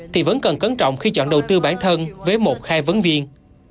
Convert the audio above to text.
thì vẫn cần cấn trọng khi chọn đầu tư bản thân với một hai vấn viên